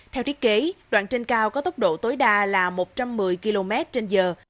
theo thiết kế đoạn trên cao có tốc độ tối đa là một trăm một mươi km trên giờ